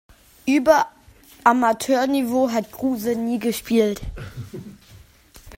Über Amateurniveau hat Kruse nie gespielt.